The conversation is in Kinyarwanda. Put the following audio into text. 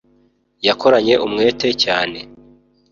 yakoranye umwete cyane